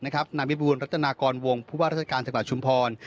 นามิบุวลรัฐนากรวงผู้ว่ารัฐการณ์จังหลาดชุมพร